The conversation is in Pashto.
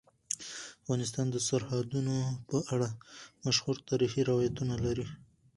افغانستان د سرحدونه په اړه مشهور تاریخی روایتونه لري.